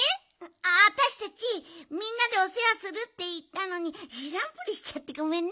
あたしたちみんなでおせわするっていったのにしらんぷりしちゃってごめんね。